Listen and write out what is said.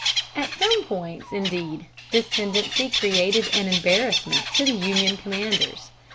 At some points, indeed, this tendency created an embarrassment to Union commanders.